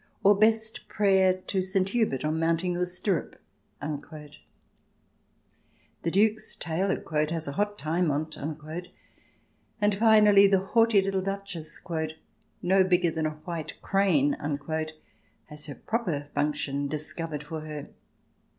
Or best prayer to St. Hubert on mounting your stirrup." The Duke's tailor "has a hot time on't," and finally the haughty little Duchess, " no bigger than a white crane," has her proper function discovered for her.